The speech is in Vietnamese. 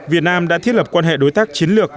việt nam đã thiết lập quan hệ đối tác chiến lược